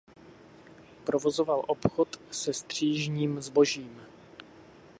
Provozoval obchod se střižním zbožím.